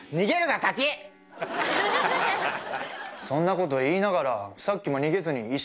そんなこと言いながらさっきも逃げずに。